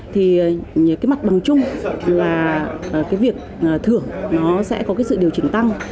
thì mặt bằng chung là việc thưởng sẽ có sự điều chỉnh tăng